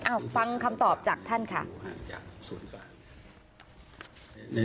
ฟังคำตอบจากท่านค่ะ